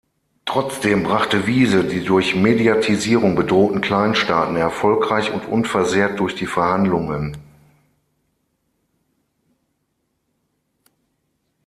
Trotzdem brachte Wiese die durch Mediatisierung bedrohten Kleinstaaten erfolgreich und unversehrt durch die Verhandlungen.